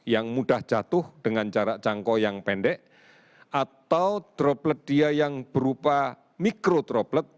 yang mudah jatuh dengan jarak jangkau yang pendek atau droplet dia yang berupa mikro droplet